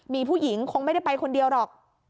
มีผู้หญิงคงไม่ได้ไปคนเดียวหรอก